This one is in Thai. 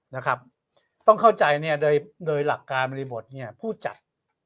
นะครับต้องเข้าใจเนี่ยโดยโดยหลักการบริบทเนี่ยผู้จัด